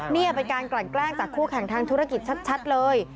นี่เป็นการกลั่นแกล้งจากคู่แข่งทางธุรกิจชัดเลย